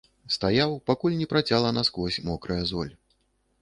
Стаяў, пакуль не працяла наскрозь мокрая золь.